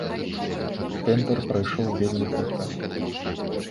Тэндар прайшоў вельмі хутка.